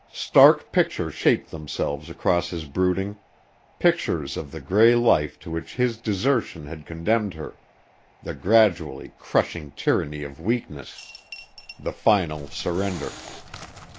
Stark pictures shaped themselves across his brooding: pictures of the gray life to which his desertion had condemned her ... the gradually crushing tyranny of weakness ... the final surrender.